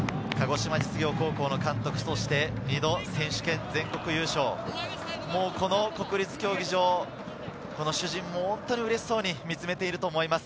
鹿児島実業高校の監督、そして２度、選手権全国優勝、この国立競技場、主人も本当にうれしそうに見つめていると思います。